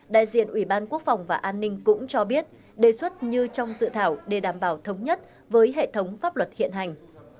đại diện ủy ban quốc phòng và an ninh cũng cho biết đề xuất như trong dự thảo để đảm bảo thống nhất với hệ thống pháp luật hiện hành